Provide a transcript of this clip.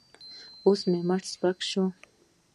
اوس مې مټې سپکې شوې.